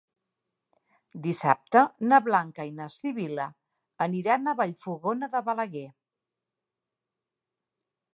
Dissabte na Blanca i na Sibil·la aniran a Vallfogona de Balaguer.